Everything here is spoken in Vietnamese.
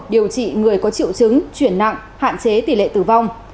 điều trị người có triệu chứng chuyển nặng hạn chế tỷ lệ tử vong